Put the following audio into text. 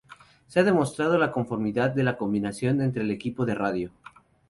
se ha demostrado la conformidad de la combinación entre el equipo de radio